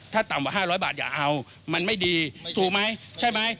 ถ้าต่ำกว่า๕๐๐บาทอย่าเอามันไม่ดีถูกไหมใช่ไหม